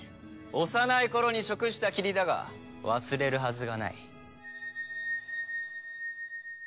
幼い頃に食したきりだが忘れるはずがない。